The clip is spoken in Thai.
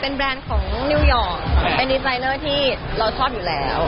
เป็นแบรนด์ของนิวยอร์กเป็นดีไซเนอร์ที่เราชอบอยู่แล้ว